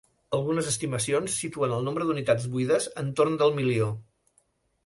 Algunes estimacions situen el nombre d'unitats buides entorn del milió.